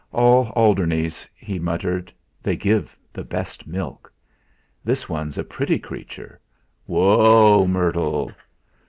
"All Alderneys," he muttered; "they give the best milk. This one's a pretty creature. Woa, Myrtle!"